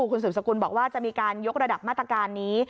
คุณสืบสกุลบอกว่าจะมีการยกระดับมาตรการนี้